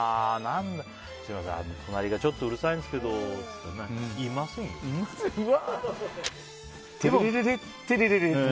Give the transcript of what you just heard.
すみません、隣がうるさいんですけどって言ったらいませんよって。